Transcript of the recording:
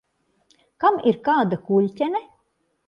Kam ir kāda kuļķene?